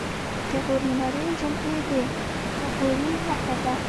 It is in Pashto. د غور منارې جمعې د غوري نښه ده